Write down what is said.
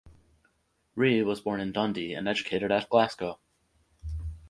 Rea was born in Dundee and educated at Glasgow.